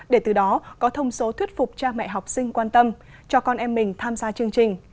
để từ đó có thông số thuyết phục cha mẹ học sinh quan tâm cho con em mình tham gia chương trình